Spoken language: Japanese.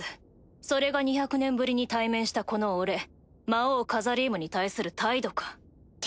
それが２００年ぶりに対面したこの俺魔王カザリームに対する態度か？